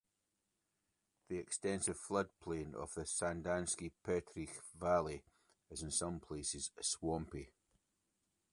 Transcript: The extensive floodplain of the Sandanski–Petrich Valley is in some places swampy.